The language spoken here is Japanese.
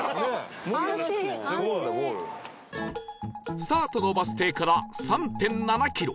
スタートのバス停から ３．７ キロ